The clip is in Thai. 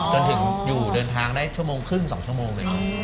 จนถึงอยู่เดินทางได้ชั่วโมงครึ่ง๒ชั่วโมงเลยครับ